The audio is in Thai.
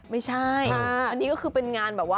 ไม่ใช่ก็คือเป็นงาน